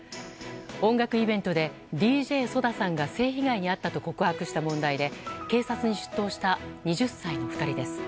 音楽イベントでＤＪＳＯＤＡさんが性被害に遭ったと告白した問題で警察に出頭した２０歳の２人です。